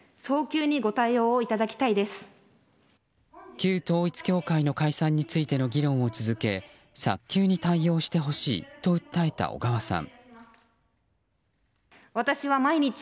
旧統一教会の解散についての議論を続け早急に対応してほしいと訴えた小川さん。